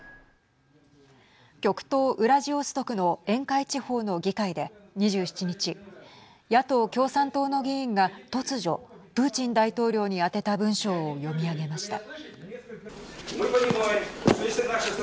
極東ウラジオストクの沿海地方の議会で２７日野党共産党の議員が突如、プーチン大統領に宛てた文章を読み上げました。